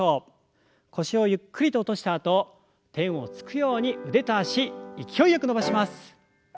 腰をゆっくりと落としたあと天をつくように腕と脚勢いよく伸ばします。